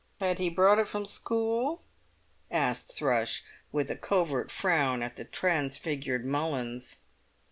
"Had he brought it from school?" asked Thrush, with a covert frown at the transfigured Mullins.